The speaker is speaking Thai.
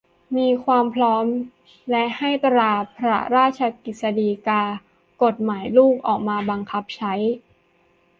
มีความพร้อม และให้ตราพระราชกฤษฎีกา กฎหมายลูก ออกมาบังคับใช้